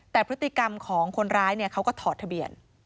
แต่พฤติกรรมของคนร้ายเขาก็ถอดทะเบียน